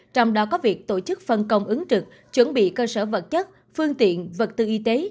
trong đó có việc tổ chức phân công ứng trực chuẩn bị cơ sở vật chất phương tiện vật tư y tế